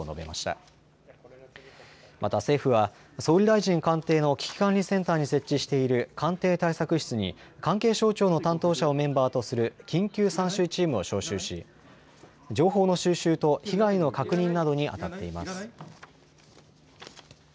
また政府は総理大臣官邸の危機管理センターに設置している官邸対策室に関係省庁の担当者をメンバーとする緊急参集チームを招集し、情報の収集と被害の確認などにあたっています。